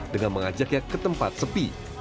dengan mengajaknya ke tempat sepi